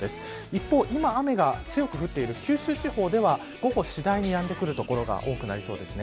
一方、今雨が強く降っている九州地方では午後、次第にやんでくる所が多そうです。